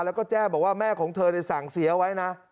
แล้วก็แจ้งบอกว่าแม่ของเธอสั่งเสียไว้นะ